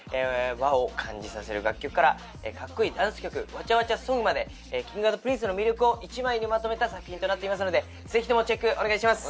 和を感じさせる楽曲から格好いいダンス曲わちゃわちゃソングまでＫｉｎｇ＆Ｐｒｉｎｃｅの魅力を一枚にまとめた作品となっていますのでぜひともチェックお願いします。